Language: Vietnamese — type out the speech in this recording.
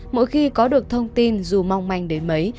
mỗi khi có được thông tin dù mong manh đến mấy